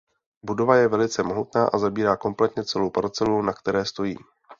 Budova je velice mohutná a zabírá kompletně celou parcelu na které stojí.